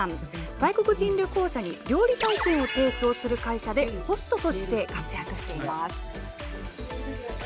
外国人旅行者に料理体験を提供する会社で、ホストとして活躍しています。